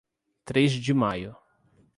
Três de Maio